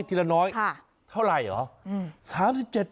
เท่าไหร่เหรอ